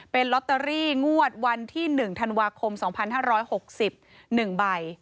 เป็นลอตเตอรี่งวดวันที่๑ธันวาคม๒๕๖๑ใบ